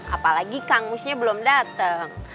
apalagi kang musnya belum dateng